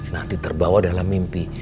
nanti terbawa dalam mimpi